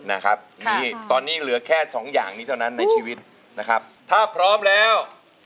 นะครับนี่ตอนนี้เหลือแค่สองอย่างนี้เท่านั้นในชีวิตนะครับถ้าพร้อมแล้ว